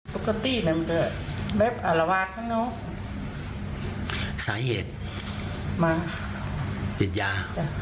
ตุ๊กตี้น่ะมันจะแบบอารวาสข้างนอกสาเหตุมาจิตยา